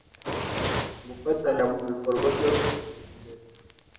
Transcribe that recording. gufatanya mu bikorwa byo kwiteza imbere